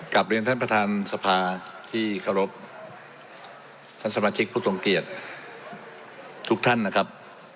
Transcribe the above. กลับเรียนท่านประธานสภาที่เคารพท่านสมาชิกผู้ทรงเกียจทุกท่านนะครับ